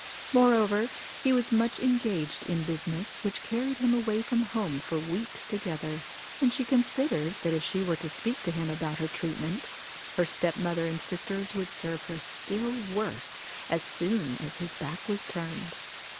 Moreover, he was much engaged in business which carried him away from home for weeks together, and she considered that if she were to speak to him about her treatment, her step mother and sisters would serve her still worse as soon as his back was turned.